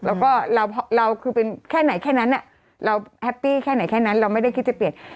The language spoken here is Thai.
แล้วก็เราคือเป็นแค่ไหนแค่นั้นเราแฮปปี้แค่ไหนแค่นั้นเราไม่ได้คิดจะเปลี่ยน